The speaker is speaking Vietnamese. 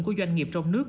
của doanh nghiệp trong nước